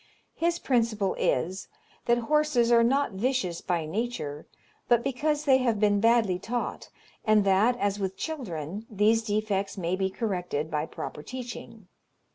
His principle is, that horses are not vicious by nature, but because they have been badly taught, and that, as with children, these defects may be corrected by proper teaching.